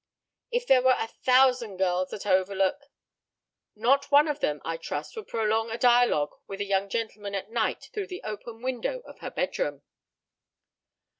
"If there were a thousand girls at Overlook " "Not one of them, I trust, would prolong a dialogue with a young gentleman at night through the open window of her bedroom."